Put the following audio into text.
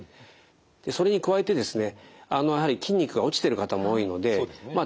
でそれに加えてですねやはり筋肉が落ちてる方も多いのでまあ